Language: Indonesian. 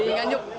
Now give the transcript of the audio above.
ikut di nganjuk